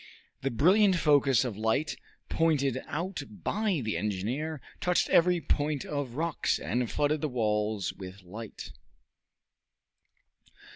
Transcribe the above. The brilliant focus of light, pointed out by the engineer, touched every point of rocks, and flooded the walls with light.